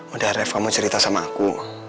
udah ref kamu cerita sama aku